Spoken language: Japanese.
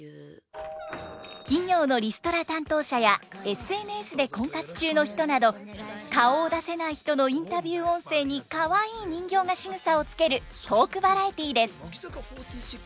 企業のリストラ担当者やＳＮＳで婚活中の人など顔を出せない人のインタビュー音声にかわいい人形がしぐさをつけるトークバラエティーです。